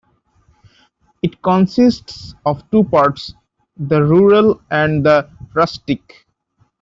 It consists of two parts : the rural and the rustic.